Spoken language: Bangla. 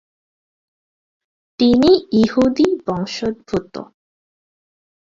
তিনি ইহুদি বংশোদ্ভূত।